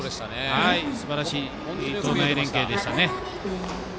すばらしい投内連係でしたね。